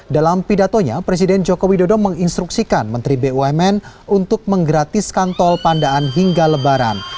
dalam pidatonya presiden joko widodo menginstruksikan menteri bumn untuk menggratiskan tol pandaan hingga lebaran